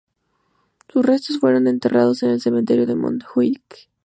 Sus restos fueron enterrados en el Cementerio de Montjuïc.